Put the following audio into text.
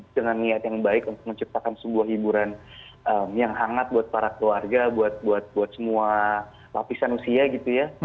dengan niat yang baik untuk menciptakan sebuah hiburan yang hangat buat para keluarga buat semua lapisan usia gitu ya